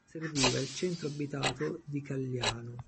Serviva il centro abitato di Calliano.